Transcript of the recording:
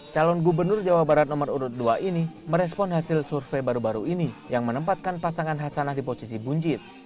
calon gubernur jawa barat nomor urut dua ini merespon hasil survei baru baru ini yang menempatkan pasangan hasanah di posisi buncit